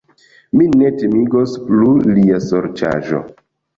Min ne timigos plu lia sorĉaĵo!